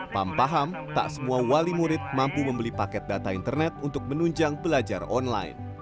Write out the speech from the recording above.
pam paham tak semua wali murid mampu membeli paket data internet untuk menunjang belajar online